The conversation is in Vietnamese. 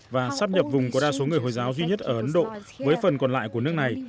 và sắp nhập vùng có đa số người hồi giáo duy nhất ở ấn độ với phần còn lại của nước này